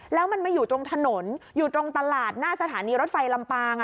แล้วมันมาอยู่ตรงถนนอยู่ตรงตลาดหน้าสถานีรถไฟลำปาง